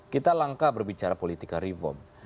kita langka berbicara politika reform